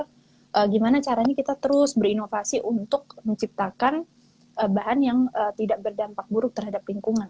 jadi kita harus make sure gimana caranya kita terus berinovasi untuk menciptakan bahan yang tidak berdampak buruk terhadap lingkungan